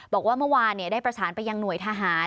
บอกว่าเมื่อวานได้ประสานไปยังหน่วยทหาร